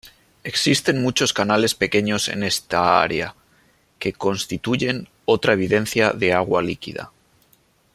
Existen muchos canales pequeños en esta área, que constituyen otra evidencia de agua líquida.